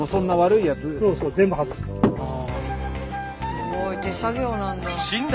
すごい手作業なんだ。